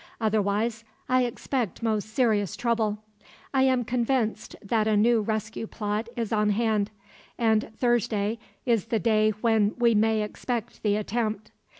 Otherwise, I expect most serious trouble. I am convinced that a new rescue plot is on hand, and Thursday is the day when we may expect the attempt.